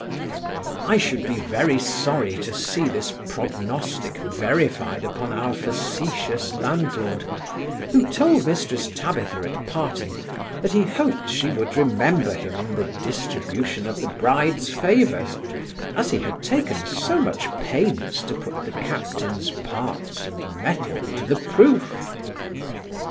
I should be very sorry to see this prognostic verified upon our facetious landlord, who told Mrs Tabitha at parting, that he hoped she would remember him in the distribution of the bride's favours, as he had taken so much pains to put the captain's parts and mettle to the proof.